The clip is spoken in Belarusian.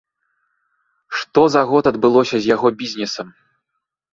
Што за год адбылося з яго бізнесам?